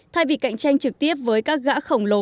thay vì cạnh tranh trực tiếp với các gã khổng lồ